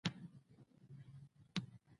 له دې سره به مې استاد خپه کېده.